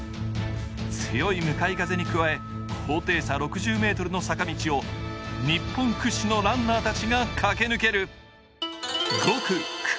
強い向かい風に加え高低差６０ｍの坂道を日本屈指のランナーたちが駆け抜ける。